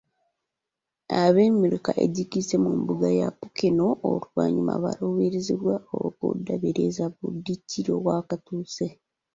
Ab'Emiruka egikiise mu mbuga ya Ppookino oluvannyuma balambuziddwa okuddaabiriza Buddukiro we kutuuse.